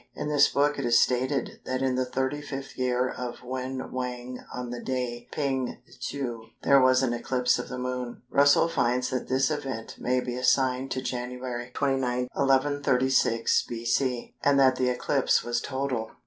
In this book it is stated that in the 35th year of Wen Wang on the day Ping Tzu there was an eclipse of the Moon. Russell finds that this event may be assigned to January 29, 1136 B.C., and that the eclipse was total.